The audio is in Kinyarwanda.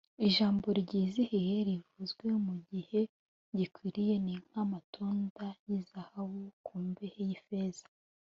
ijambo ryizihiye rivuzwe mu gihe gikwiriye, ni nk’amatunda y’izahabu ku mbehe y’ifeza